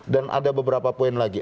dan ada beberapa poin lagi